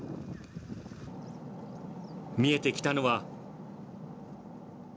見えてきたのは。